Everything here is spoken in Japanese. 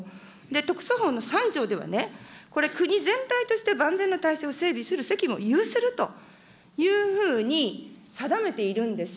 特措法の３条では、これ、国全体として万全な体制を整備する責務を有するというふうに定めているんです。